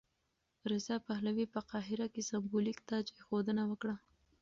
رضا پهلوي په قاهره کې سمبولیک تاجاېښودنه وکړه.